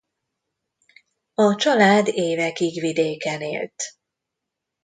A család évekig vidéken élt.